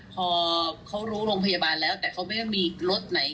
พอเขารู้โรงพยาบาลแล้วแต่เขาไม่ได้มีรถไหน